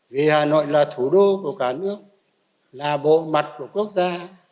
vì hà nội là thủ đô của cả nước là bộ mặt của quốc gia